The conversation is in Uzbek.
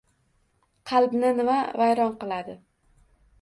Qalbni nima vayron qiladi?